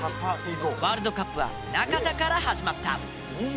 ワールドカップは中田から始まった。